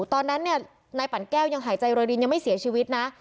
ตอนนั้นเนี่ยนายปั่นแก้วยังหายใจโรยรินยังไม่เสียชีวิตนะ